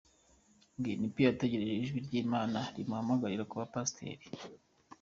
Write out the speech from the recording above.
Green P ategereje ijwi ry'Imana rimuhamagarira kuba Pasiteri.